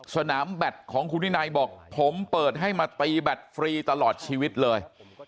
สถานิดหน่อยของคุณนายบอกผมเปิดให้มาปรีแบทฟรีตลอดชีวิตเลย